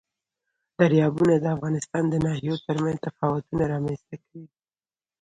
دریابونه د افغانستان د ناحیو ترمنځ تفاوتونه رامنځ ته کوي.